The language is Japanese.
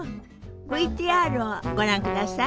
ＶＴＲをご覧ください。